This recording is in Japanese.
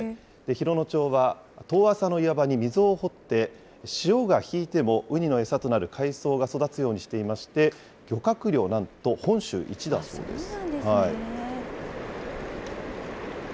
洋野町は、遠浅の岩場に溝を掘って、潮が引いてもウニの餌となる海藻が育つようにしていまして、漁獲量、なんと本州一だそうです。